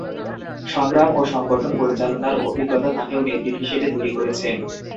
সংগ্রাম ও সংগঠন পরিচালনার অভিজ্ঞতা তাঁকেও নেত্রী হিসেবে তৈরি করেছে।